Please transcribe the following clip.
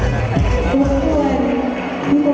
สวัสดีครับพี่คุณฮ่า